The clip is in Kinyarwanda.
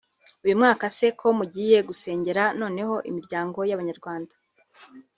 Uyu mwaka se ko mugiye gusengera noneho imiryango y’Abanyarwanda